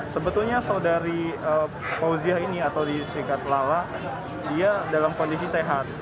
sebetulnya saudari fauziah ini atau disikat lala dia dalam kondisi sehat